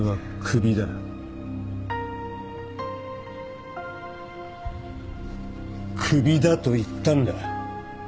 クビだと言ったんだ。